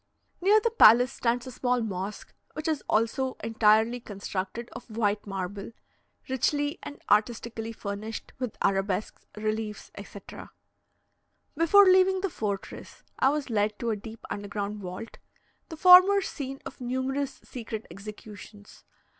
Near the palace stands a small mosque, which is also entirely constructed of white marble, richly and artistically furnished with arabesques, reliefs, etc. Before leaving the fortress, I was led to a deep underground vault the former scene of numerous secret executions.